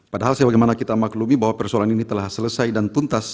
padahal sebagaimana kita maklumi bahwa persoalan ini telah selesai dan tuntas